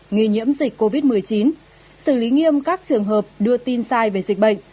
nghi nhiễm dịch covid một mươi chín xử lý nghiêm các trường hợp đưa tin sai về dịch bệnh